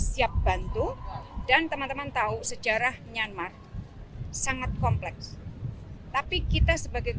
siap bantu dan teman teman tahu sejarah myanmar sangat kompleks tapi kita sebagai